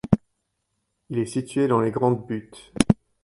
Il est situé dans les Grandes Buttes.